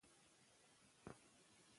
زموږ بدن داخلي ساعت لري.